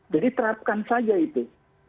jadi terapkan saja itu